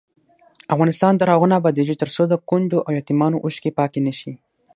افغانستان تر هغو نه ابادیږي، ترڅو د کونډو او یتیمانو اوښکې پاکې نشي.